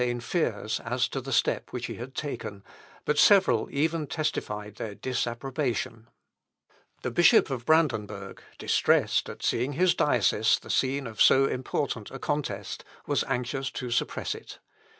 Not only did many of Luther's friends entertain fears as to the step which he had taken, but several even testified their disapprobation. The Bishop of Brandenburg, distressed at seeing his diocese the scene of so important a contest, was anxious to suppress it.